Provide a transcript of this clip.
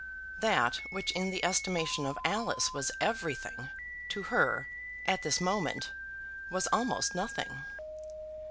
That which in the estimation of Alice was everything, to her, at this moment, was almost nothing.